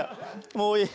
もういい。